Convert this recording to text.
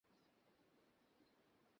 ওর ব্যথা সহ্য করার ক্ষমতা কম।